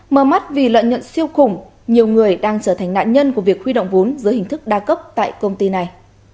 mở mắt vì lợi nhuận siêu khủng nhiều người đang trở thành nạn nhân của việc huy động vốn dưới hình thức đa cấp tại công ty này